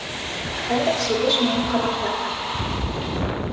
Хәҙер сүкеш менән ҡаҙаҡтар тап.